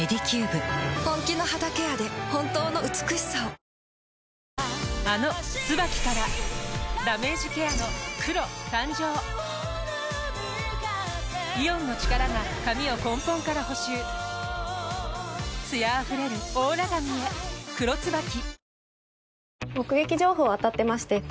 瞬感ミストＵＶ「ビオレＵＶ」あの「ＴＳＵＢＡＫＩ」からダメージケアの黒誕生イオンの力が髪を根本から補修艶あふれるオーラ髪へ「黒ＴＳＵＢＡＫＩ」